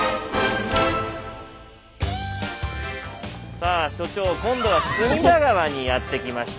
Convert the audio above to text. さあ所長今度は隅田川にやって来ました。